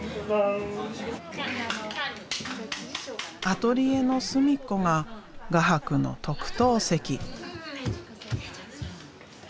アトリエの隅っこが画伯の特等席。